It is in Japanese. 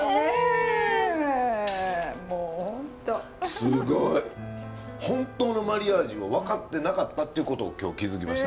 すごい！本当のマリアージュを分かってなかったっていうことを今日気付きました。